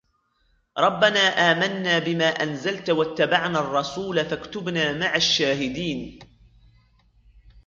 ربنا آمنا بما أنزلت واتبعنا الرسول فاكتبنا مع الشاهدين